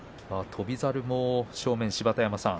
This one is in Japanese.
翔猿も正面、芝田山さん